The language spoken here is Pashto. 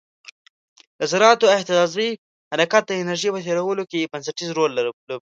د ذراتو اهتزازي حرکت د انرژي په تیرولو کې بنسټیز رول لوبوي.